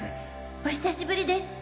お久しぶりです！